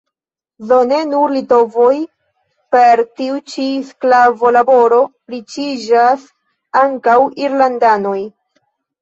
Do ne nur litovoj per tiu ĉi sklavo-laboro riĉiĝas – ankaŭ irlandanoj.